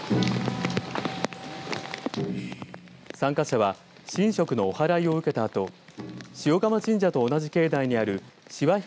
参加者は神職のおはらいを受けたあと塩釜神社と同じ境内にある志波彦